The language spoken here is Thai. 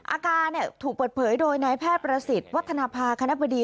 อาการถูกเปิดเผยโดยนายแพทย์ประสิทธิ์วัฒนภาคณะบดี